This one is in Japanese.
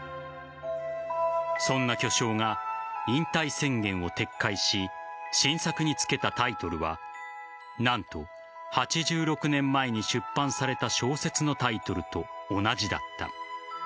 そんな巨匠が引退宣言を撤回し新作につけたタイトルは何と、８６年前に出版された小説のタイトルと同じだった。